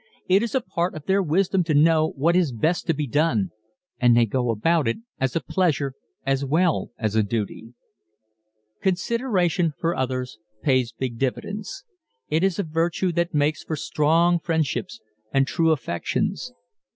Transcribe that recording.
It is a part of their wisdom to know what is best to be done and they go about it as a pleasure as well as a duty. Consideration for others pays big dividends. It is a virtue that makes for strong friendships and true affections.